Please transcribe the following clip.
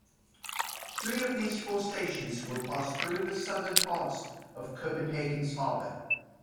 Three of these four stations will pass through the southern parts of Copenhagen's harbour.